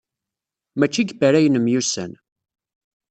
Maci deg Paris ay nemyussan.